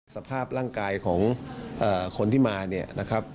สภาพร่างกายของคนที่มา